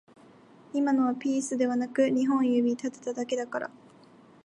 今のはピースではなく二本指立てただけだから